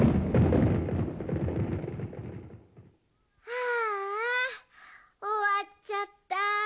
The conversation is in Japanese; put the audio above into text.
ああおわっちゃった。